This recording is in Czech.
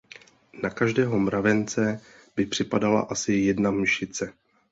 Na každého mravence by připadla asi jedna mšice.